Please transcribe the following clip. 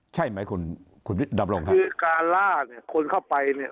ใช่ไหมคุณคุณวิทย์ดำรงครับคือการล่าเนี่ยคนเข้าไปเนี่ย